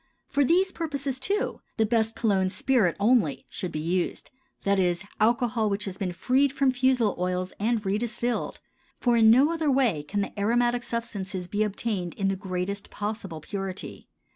For these purposes, too, the best cologne spirit only should be used, that is, alcohol which has been freed from fusel oil and redistilled, for in no other way can the aromatic substances be obtained in the greatest possible purity.